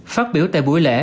phát biểu tại buổi lễ